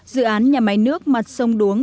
dự án nhà máy nước mặt sông đuống